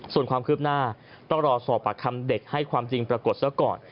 ส่วนความคืบหน้าต้องรอสอบปากคำเด็กให้ความจริงปรากฏซะก่อน